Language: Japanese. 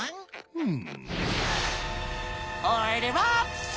うん。